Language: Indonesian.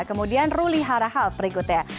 kemudian ruli harahal berikutnya